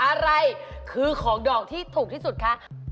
อะไรคือของดอกที่ถูกที่สุดคะ